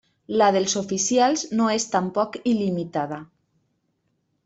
La dels oficials no és tampoc il·limitada.